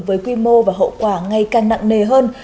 với quy mô và hậu quả ngày càng nặng nề hơn